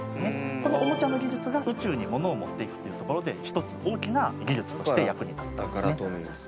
このオモチャの技術が宇宙に物を持っていくというところで１つ大きな技術として役に立ったんですね。